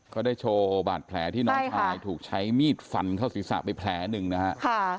ก็ได้โชว์บาดแผลที่น้องชายถูกใช้มีดฟันเข้าศีรษะไปแผลหนึ่งนะฮะ